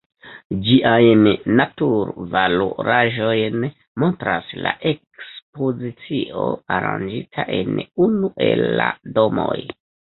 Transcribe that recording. Ĝiajn natur-valoraĵojn montras la ekspozicio aranĝita en unu el la domoj.